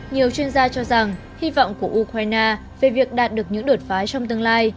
nhiều chuyên gia cho rằng hy vọng của ukraine về việc đạt được những đột phá trong tương lai